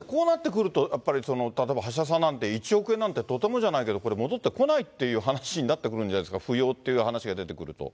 これ紀藤先生、こうなってくると、やっぱり例えば橋田さんなんて、１億円なんてとてもじゃないけどこれ、戻ってこないという話になってくるんじゃないですか、扶養っていう話が出てくると。